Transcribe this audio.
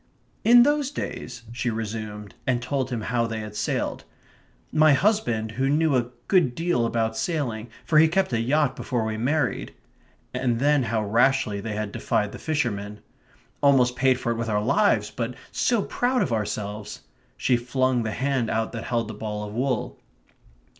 "In those days ..." she resumed, and told him how they had sailed ... "my husband, who knew a good deal about sailing, for he kept a yacht before we married" ... and then how rashly they had defied the fishermen, "almost paid for it with our lives, but so proud of ourselves!" She flung the hand out that held the ball of wool.